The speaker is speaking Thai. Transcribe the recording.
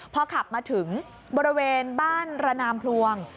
พอขับมาถึงบริเวณบ้านระนามพลวง